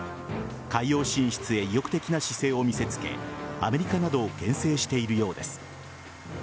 海洋進出へ意欲的な姿勢を見せつけアメリカなどをけん制しているようです。